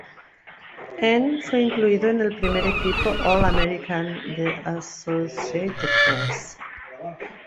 En fue incluido en el primer equipo All-American de Associated Press.